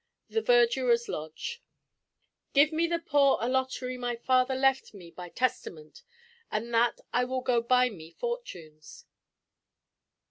THE VERDURER'S LODGE "Give me the poor allottery my father left me by testament, with that I will go buy me fortunes."